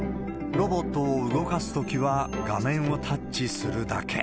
ロボットを動かすときは、画面をタッチするだけ。